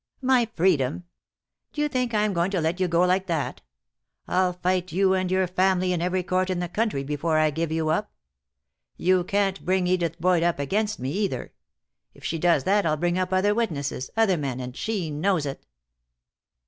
"My freedom! Do you think I am going to let you go like that? I'll fight you and your family in every court in the country before I give you up. You can't bring Edith Boyd up against me, either. If she does that I'll bring up other witnesses, other men, and she knows it."